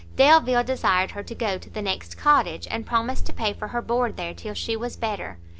Delvile desired her to go to the next cottage, and promised to pay for her board there till she was better.